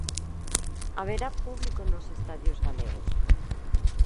Haberá público nos estadios galegos.